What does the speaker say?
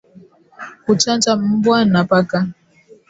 Kuchanja mbwa na paka